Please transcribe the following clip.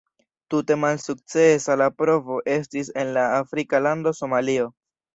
Tute malsukcesa la provo estis en la afrika lando Somalio.